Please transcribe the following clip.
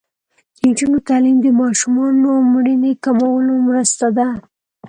د نجونو تعلیم د ماشومانو مړینې کمولو مرسته ده.